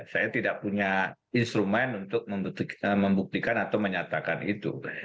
saya tidak punya instrumen untuk membuktikan atau menyatakan itu